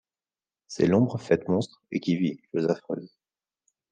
C’est l’ombre faite monstre, et qui vit ; chose affreuse !